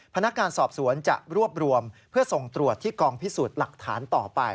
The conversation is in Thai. พนักงานสอบสวนจะรวบรวมเพื่อส่งตรวจที่กองพิสูจน์หลักฐานต่อไป